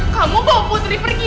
kamu bawa putri pergi